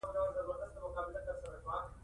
دلته یې تاسو ته درپېژنو په پښتو ژبه.